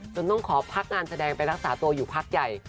ต้องขอพักงานแสดงไปรักษาตัวอยู่พักใหญ่